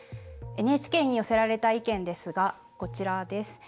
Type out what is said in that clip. ＮＨＫに寄せられた意見ですがこちらです。